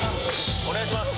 お願いします。